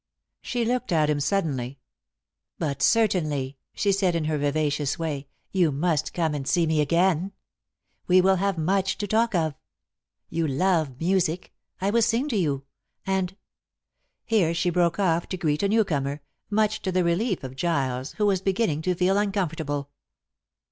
She looked at him suddenly. "But certainly," she said in her vivacious way, "you must come and see me again. We will have much to talk of. You love music. I will sing to you, and " Here she broke off to greet a new comer, much to the relief of Giles, who was beginning to feel uncomfortable.